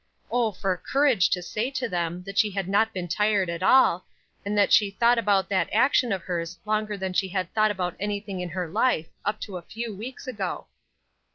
Oh, for courage to say to them that she had not been tired at all, and that she thought about that action of hers longer than she had thought about anything in her life, up to a few weeks ago.